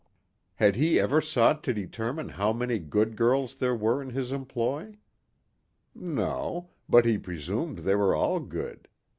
Had he ever sought to determine how many good girls there were in his employ? No, but he presumed they were all good.